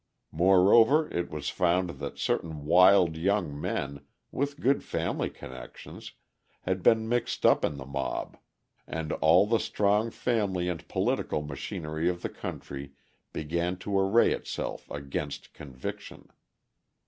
Moreover, it was found that certain wild young men, with good family connections, had been mixed up in the mob and all the strong family and political machinery of the country began to array itself against conviction.